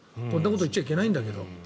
こんなこと言っちゃいけないんだけど。